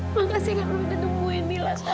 makasih karena sudah menemui mila sama mama